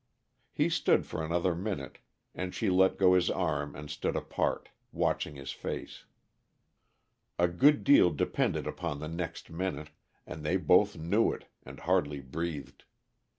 He stood for another minute, and she let go his arm and stood apart, watching his face. A good deal depended upon the next minute, and they both knew it, and hardly breathed.